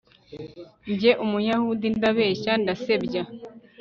Njye Umuyahudi ndabeshya ndasebya